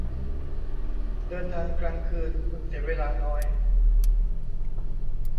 เดินทางกลางคืน คุณเสียเวลาน้อย